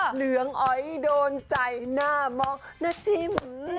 เหลืองอ๋อยโดนใจหน้ามองหน้าจิ้ม